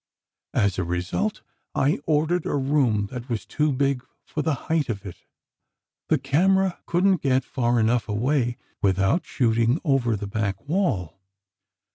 As a result, I ordered a room that was too big for the height of it. The camera couldn't get far enough away, without shooting over the back wall.